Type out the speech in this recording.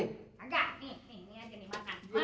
enggak nih ini aja nih makan